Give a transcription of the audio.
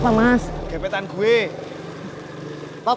pernah mati gua lalu